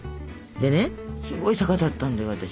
でねすごい坂だったんだよ私。